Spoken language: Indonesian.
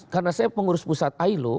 karena saya pengurus pusat ailo